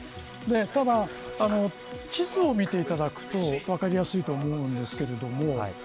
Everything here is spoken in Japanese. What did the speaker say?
ただ、地図を見ていただくと分かりやすいと思うんですけど。